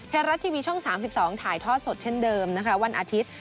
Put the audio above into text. ไทยรัฐทีวีช่อง๓๒ถ่ายทอดสดเช่นเดิมนะคะวันอาทิตย์